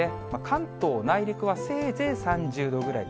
関東内陸はせいぜい３０度ぐらい。